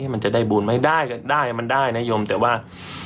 มันจะได้บุญไหมได้ก็ได้มันได้นะยมแต่ว่า